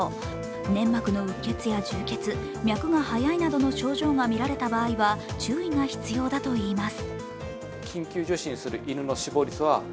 粘膜のうっ血や充血、脈が速いなどの症状が見られた場合は注意が必要だといいます。